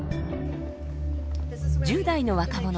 １０代の若者